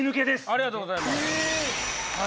ありがとうございます。